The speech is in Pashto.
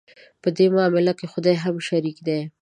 په دې معامله کې خدای هم شریک دی.